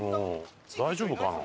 大丈夫かな？